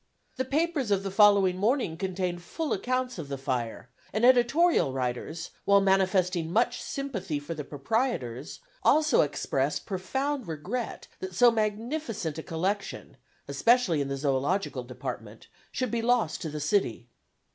The papers of the following morning contained full accounts of the fire; and editorial writers, while manifesting much sympathy for the proprietors, also expressed profound regret that so magnificent a collection, especially in the zoölogical department, should be lost to the city.